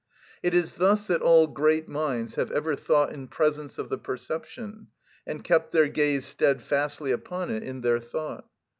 It is thus that all great minds have ever thought in presence of the perception, and kept their gaze steadfastly upon it in their thought.